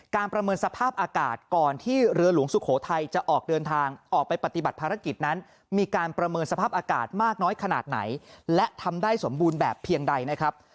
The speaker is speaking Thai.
ประเมินสภาพอากาศก่อนที่เรือหลวงสุโขทัยจะออกเดินทางออกไปปฏิบัติภารกิจนั้นมีการประเมินสภาพอากาศมากน้อยขนาดไหนและทำได้สมบูรณ์แบบเพียงใดนะครับ